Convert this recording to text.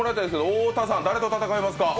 太田さん、誰と戦いますか？